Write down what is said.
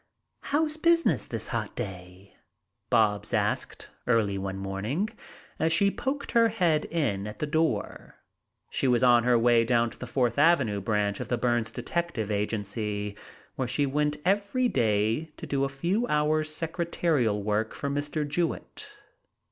"How's business this hot day?" Bobs asked early one morning, as she poked her head in at the door. She was on her way down to the Fourth Avenue Branch of the Burns Detective Agency, where she went every day to do a few hours' secretarial work for Mr. Jewett.